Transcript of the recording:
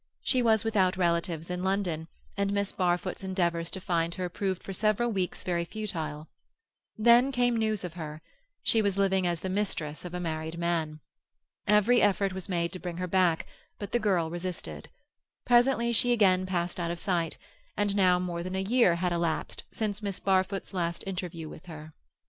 She was without relatives in London, and Miss Barfoot's endeavours to find her proved for several weeks very futile. Then came news of her; she was living as the mistress of a married man. Every effort was made to bring her back, but the girl resisted; presently she again passed out of sight, and now more than a year had elapsed since Miss Barfoot's last interview with her.